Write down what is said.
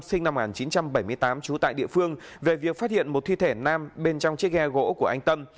sinh năm một nghìn chín trăm bảy mươi tám trú tại địa phương về việc phát hiện một thi thể nam bên trong chiếc ghe gỗ của anh tâm